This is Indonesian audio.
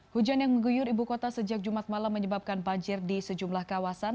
hujan yang mengguyur ibu kota sejak jumat malam menyebabkan banjir di sejumlah kawasan